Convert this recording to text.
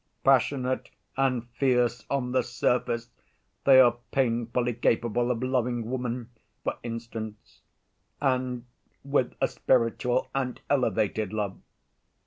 Passionate and fierce on the surface, they are painfully capable of loving woman, for instance, and with a spiritual and elevated love.